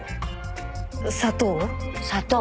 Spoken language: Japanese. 砂糖？